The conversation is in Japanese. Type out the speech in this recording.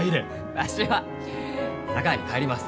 わしは佐川に帰ります。